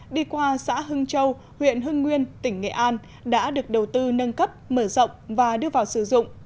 đi qua xã hưng châu huyện hưng nguyên tỉnh nghệ an đã được đầu tư nâng cấp mở rộng và đưa vào sử dụng